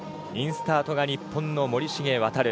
インスタートが日本の森重航。